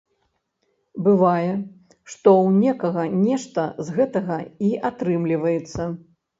Бывае, што ў некага нешта з гэтага і атрымліваецца.